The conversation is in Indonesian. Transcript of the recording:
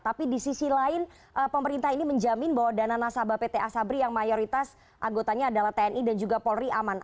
tapi di sisi lain pemerintah ini menjamin bahwa dana nasabah pt asabri yang mayoritas anggotanya adalah tni dan juga polri aman